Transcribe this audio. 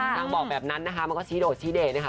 ซังบอกแบบนั้นมันก็ชี้โดดชี้เดะนะค่ะ